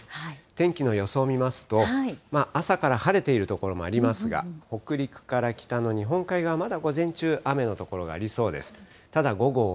天気の予想見ますと、朝から晴れている所もありますが、北陸から北の日本海側、まだ午前中、雨の所がありそうです。